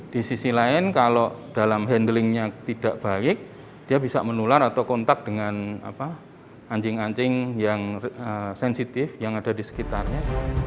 di sisi lain kalau dalam handlingnya tidak baik dia bisa menular atau kontak dengan anjing anjing yang sensitif yang ada di sekitarnya